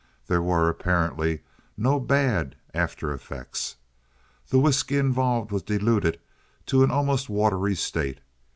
There were apparently no bad after effects. The whisky involved was diluted to an almost watery state.